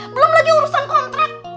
belum lagi urusan kontrak